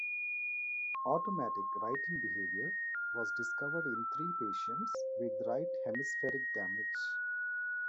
Automatic writing behaviour was discovered in three patients with right hemispheric damage.